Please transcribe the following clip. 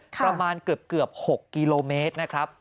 ประมาณเกือบ๖กิโลเมตรนะครับ